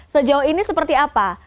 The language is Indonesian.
sejauh ini seperti apa